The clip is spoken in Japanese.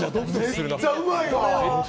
めっちゃうまいな。